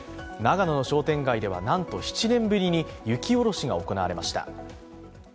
長野の商店街では、なんと７年ぶりに雪下ろしが行われました。